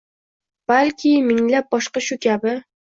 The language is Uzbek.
balki minglab boshqa shu kabi